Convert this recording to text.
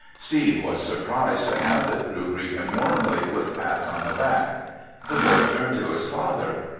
Steve was surprised to have the crew greet him warmly with pats on the back. The boy turned to his father.